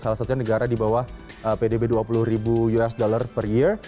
salah satunya negara di bawah pdb dua puluh ribu usd per year